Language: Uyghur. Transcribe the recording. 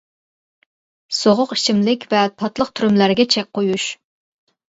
سوغۇق ئىچىملىك ۋە تاتلىق تۈرۈملەرگە چەك قويۇش.